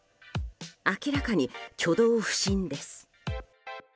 明らかに挙動不審です。